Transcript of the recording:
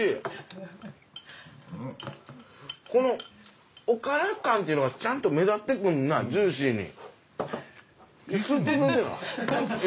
このおから感っていうのがちゃんと目立ってくるなジューシーに。